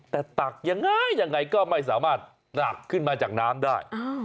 แต่ตักยังไงยังไงก็ไม่สามารถตักขึ้นมาจากน้ำได้